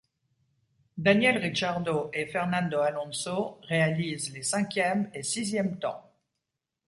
Daniel Ricciardo et Fernando Alonso réalisent les cinquième et sixième temps.